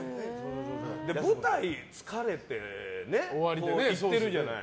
舞台疲れて行ってるじゃない？